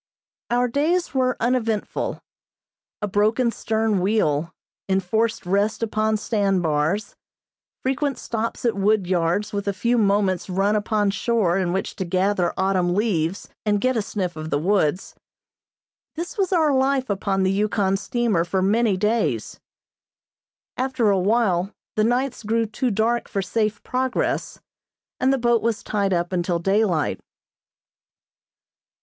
Our days were uneventful. A broken stern wheel, enforced rests upon sand bars, frequent stops at wood yards with a few moments run upon shore in which to gather autumn leaves, and get a sniff of the woods, this was our life upon the Yukon steamer for many days. After a while the nights grew too dark for safe progress, and the boat was tied up until daylight.